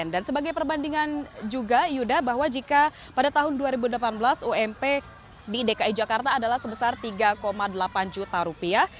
dan sebagai perbandingan juga yuda bahwa jika pada tahun dua ribu delapan belas ump di dki jakarta adalah sebesar tiga delapan juta rupiah